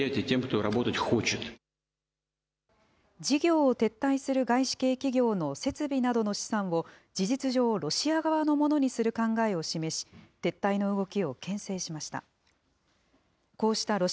事業を撤退する外資系企業の設備などの資産を、事実上、ロシア側のものにする考えを示し、撤退の動きをけん制しました。